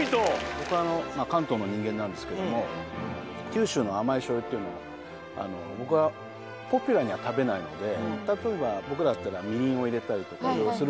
僕関東の人間なんですけども九州の甘いしょうゆっていうのを僕はポピュラーには食べないので例えば僕らだったらみりんを入れたりとかいろいろするんですけど今回そのダイレクトで